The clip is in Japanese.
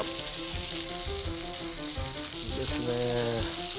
いいですね。